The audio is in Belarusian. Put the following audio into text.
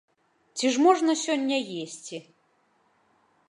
Ці ж можна сёння есці?